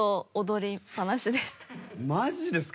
マジですか？